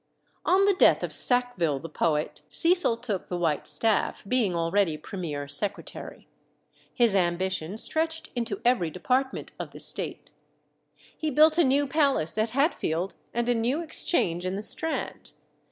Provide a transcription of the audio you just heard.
On the death of Sackville the poet, Cecil took the white staff, being already Premier Secretary. His ambition stretched into every department of the State. "He built a new palace at Hatfield, and a new Exchange in the Strand.